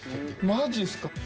マジですか。